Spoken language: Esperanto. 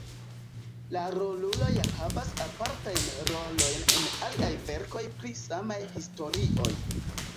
La rolulo ja havas apartajn rolojn en aliaj verkoj pri samaj historioj.